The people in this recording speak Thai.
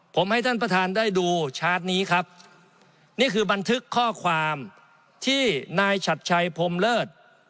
ผมให้ท่านประธานได้ดูชาร์จนี้ครับนี่คือบันทึกข้อความที่นายฉัดชัยพรมเลิศ